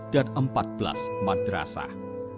dan empat belas madrasah